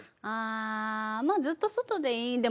ああまあずっと外でいい。